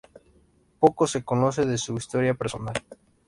Poco se conoce de su historia personal.